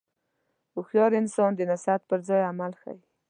هوښیار انسان د نصیحت پر ځای عمل ښيي.